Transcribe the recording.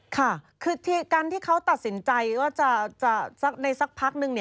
ค่ะคือการที่เขาตัดสินใจว่าจะสักในสักพักนึง